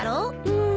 うん。